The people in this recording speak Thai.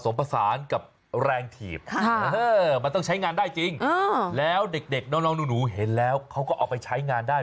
มันต้องใช้งานได้จริงแล้วเด็กน้องหนูเห็นแล้วเขาก็ออกไปใช้งานได้